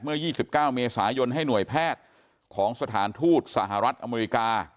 เมื่อ๒๙เมษายนให้หน่วยแพทย์ของสถานทูตสหรัฐอเมริกา